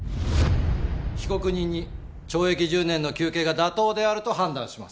被告人に懲役１０年の求刑が妥当であると判断します。